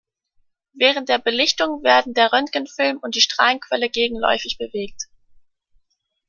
Während der Belichtung werden der Röntgenfilm und die Strahlenquelle gegenläufig bewegt.